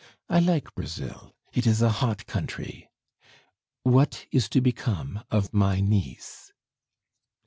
I like Brazil, it is a hot country. What is to become of my niece?"